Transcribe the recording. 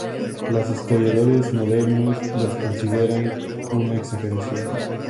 Los historiadores modernos los consideran una exageración.